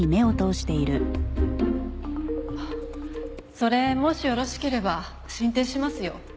それもしよろしければ進呈しますよ。